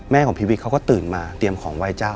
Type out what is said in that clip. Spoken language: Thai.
ของพีวิทเขาก็ตื่นมาเตรียมของไหว้เจ้า